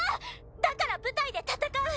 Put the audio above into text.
だから部隊で戦う。